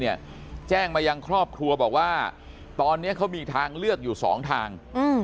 แจ้งมายังครอบครัวบอกว่าตอนนี้เขามีทางเลือกอยู่สองทาง